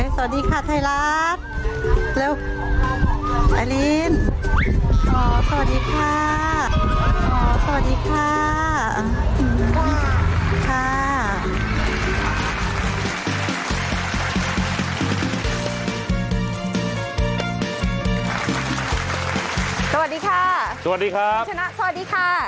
สวัสดีค่ะสวย